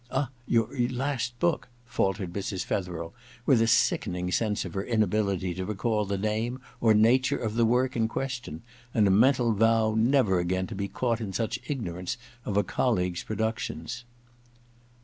* Ah — your last book ?' faltered Mrs. Fetherel, with a sickening sense of her inability to recall the name or nature of the work in question, and a mental vow never again to be caught in such ignorance of a colleague's productions.